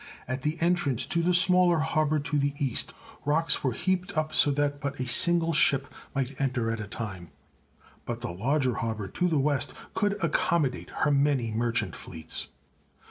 At the entrance to the smaller harbour to the east, rocks were heaped up so that but a single ship might enter at a time, but the larger harbour to the west could accom modate her many merchant fleets.